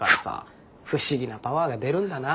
不思議なパワーが出るんだな。